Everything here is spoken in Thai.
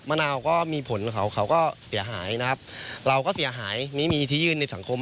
นาวก็มีผลของเขาเขาก็เสียหายนะครับเราก็เสียหายไม่มีที่ยื่นในสังคม